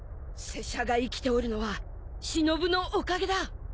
拙者が生きておるのはしのぶのおかげだ。